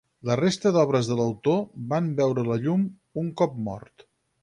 La resta d'obres de l'autor van veure la llum un cop mort.